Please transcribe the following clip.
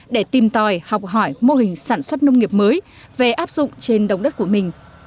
để tìm tòi học hỏi mô hình sản xuất nông nghiệp mới về áp dụng trên đồng đất của mình